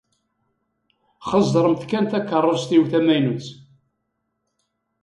Xezzṛemt kan takeṛṛust-iw tamaynut.